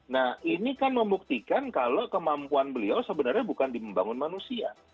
nah ini kan membuktikan kalau kemampuan beliau sebenarnya bukan di membangun manusia